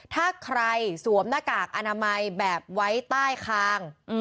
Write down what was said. ถ้าใครสวมหน้ากากอนามัยแบบไว้ใต้คาง